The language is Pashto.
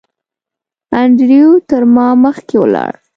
انډریو تر ما مخکې ولاړ.